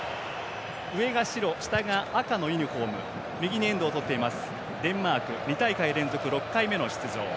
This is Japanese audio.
上が白、下が赤のユニフォーム右にエンドをとっていますデンマーク２大会連続６回目の出場。